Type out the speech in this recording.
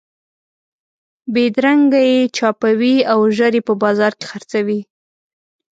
بېدرنګه یې چاپوئ او ژر یې په بازار کې خرڅوئ.